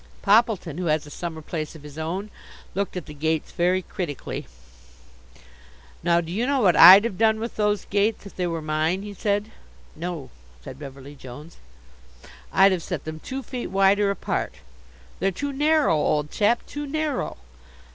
Poppleton, who has a summer place of his own, looked at the gates very critically. "Now, do you know what I'd have done with those gates, if they were mine?" he said. "No," said Beverly Jones. "I'd have set them two feet wider apart; they're too narrow, old chap, too narrow."